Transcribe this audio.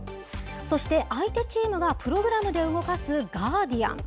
そして相手チームがプログラムで動かすガーディアン。